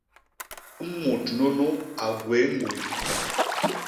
Mut nunu a gwéé ñguy.